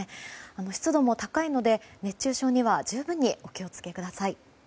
湿度も高いので、熱中症には十分にお気をつけください。